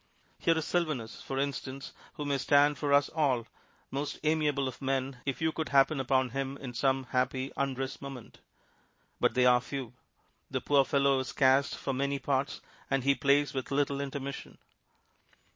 Here is Sylvanus, for instance, who may stand for us all, most amiable of men if you could happen upon him in some happy undress moment. But they are few. The poor fellow is cast for many parts, and he plays with little intermission.